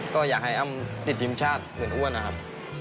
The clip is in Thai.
ก็อยากให้อ้ำติดทีมชาติอื่นอ้วนนะครับ